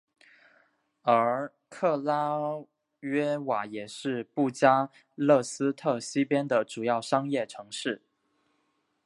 而克拉约瓦也是布加勒斯特西边的主要商业城市。